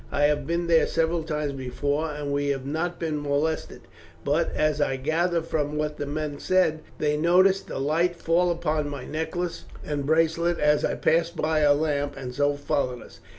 I have been there several times before and we have not been molested, but, as I gathered from what the men said, they noticed the light fall upon my necklace and bracelet as I passed by a lamp, and so followed us.